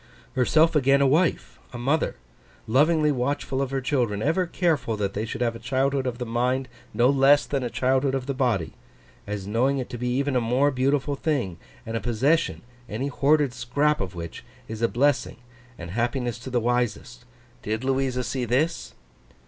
Herself again a wife—a mother—lovingly watchful of her children, ever careful that they should have a childhood of the mind no less than a childhood of the body, as knowing it to be even a more beautiful thing, and a possession, any hoarded scrap of which, is a blessing and happiness to the wisest? Did Louisa see this?